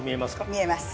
見えます。